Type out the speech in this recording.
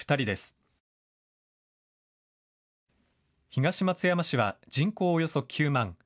東松山市は人口およそ９万。